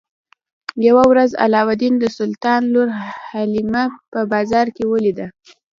یوه ورځ علاوالدین د سلطان لور حلیمه په بازار کې ولیده.